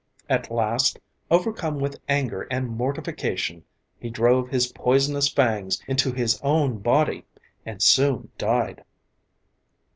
At last, overcome with anger and mortification, he drove his poisonous fangs into his own body and soon died.